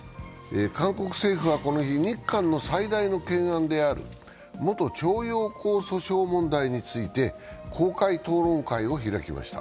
韓国政府はこの日、日韓の最大の懸案である元徴用工訴訟問題について公開討論会を開きました。